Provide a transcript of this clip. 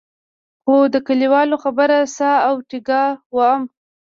خو د کلیوالو خبره ساه او ټیکا وم.